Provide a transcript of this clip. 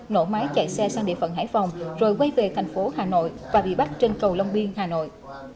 nổ máy chạy xe sang địa phận hải phòng rồi quay về thành phố hà nội và bị bắt trên cầu long biên hà nội